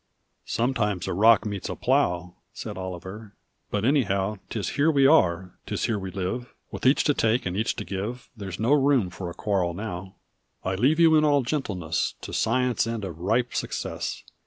[1171 ''Sometimes s lodL wiD meet s fiaa^' Said Oliver; ''but anjbow Tb here we are, 'tis here we Kre, With each to take and each to give: There's no room for a quarrel now. "I leave you in all gentleness To science and a ripe success.